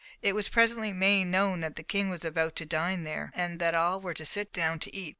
It was presently made known that the King was about to dine there, and that all were to sit down to eat.